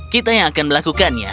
kita yang akan melakukannya